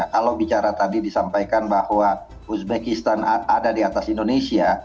kalau bicara tadi disampaikan bahwa uzbekistan ada di atas indonesia